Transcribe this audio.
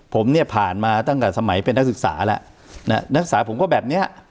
ผมเนี่ยผ่านมาตั้งแต่สมัยเป็นนักศึกษาแล้วนักศึกษาผมก็แบบเนี้ย